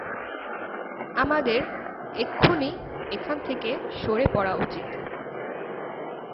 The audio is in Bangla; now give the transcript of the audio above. আমাদের এক্ষুনি এখান থেকে সরে পড়া উচিৎ!